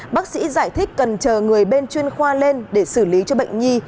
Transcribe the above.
bác sĩ giải thích cần chờ người bên chuyên khoa lên để xử lý cho bệnh nhi